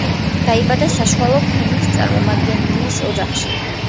დაიბადა საშუალო ფენის წარმომადგენლის ოჯახში.